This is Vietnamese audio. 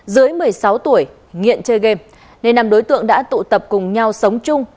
dưới một mươi sáu tuổi nghiện chơi game nền nằm đối tượng đã tụ tập cùng nhau sống chung